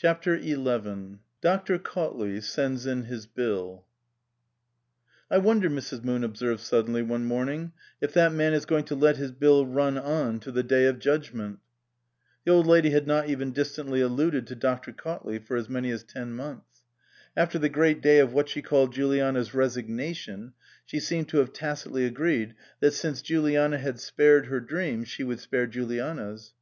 321 CHAPTER XI DOCTOR CAUTLEY SENDS IN HIS BILL " T WONDER," Mrs. Moon observed suddenly JL one morning, " if that man is going to let his hill run on to the day of judgment ?" The Old Lady had not even distantly alluded to Dr. Cautley for as many as ten months. After the great day of what she called Juliana's " resignation " she seemed to have tacitly agreed that since Juliana had spared her dream she would spare Juliana's.